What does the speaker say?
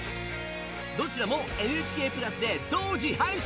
どちらもＮＨＫプラスで同時配信。